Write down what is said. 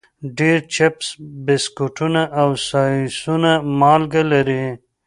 ډېری چپس، بسکټونه او ساسونه مالګه لري.